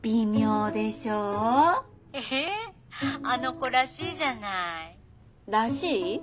あの子らしいじゃない？らしい？